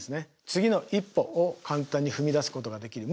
次の一歩を簡単に踏み出すことができる。